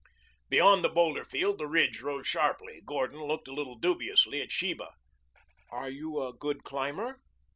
Beyond the boulder field the ridge rose sharply. Gordon looked a little dubiously at Sheba. "Are you a good climber?"